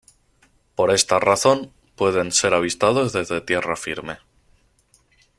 Por esta razón, pueden ser avistados desde tierra firme.